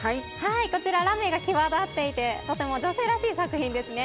こちらはラメが際立っていてとても女性らしい作品ですね。